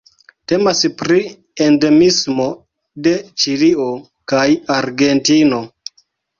Temas pri endemismo de Ĉilio kaj Argentino.